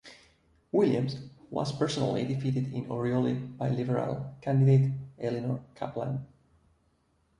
Williams was personally defeated in Oriole by Liberal candidate Elinor Caplan.